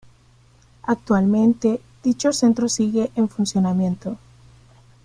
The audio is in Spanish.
Actualmente, dicho centro sigue en funcionamiento.